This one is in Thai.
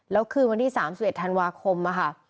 แล้วคืนวันที่๓๑ธันวาคมค่ะ